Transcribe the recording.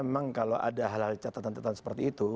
memang kalau ada hal hal catatan catatan seperti itu